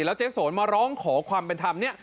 แล้วเจ๊สนมาร้องขอความเป็นธรรมเนี่ย